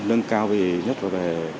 nâng cao về nhất là về